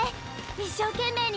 一生懸命に！